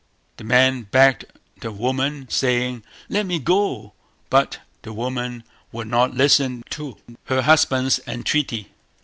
The man begged the woman, saying "Let me go"; but the woman would not listen to her husband's entreaty.